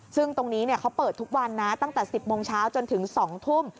ซึ่งตรงนี้เขาเปิดทุกวันนะตั้งแต่๑๐โมงเช้าจนถึง๒ทุ่ม